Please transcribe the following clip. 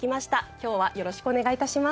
今日はよろしくお願い致します。